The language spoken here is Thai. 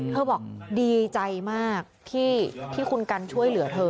บอกดีใจมากที่คุณกันช่วยเหลือเธอ